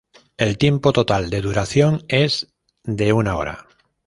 El tiempo total de duración es de una hora.